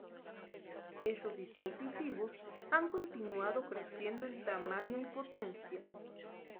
Esos dispositivos han continuado creciendo en tamaño y potencia.